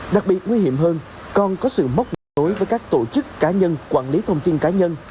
đặc biệt nguy hiểm hơn còn có sự mốc nối với các tổ chức cá nhân quản lý thông tin cá nhân